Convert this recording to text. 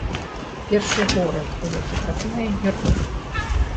Першы горад, у які трапляе герой.